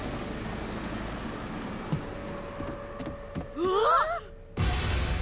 うわっ！